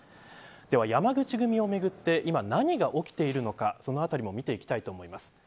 では山口組をめぐって今何が起きているのかそのあたりも見ていきたいと思います。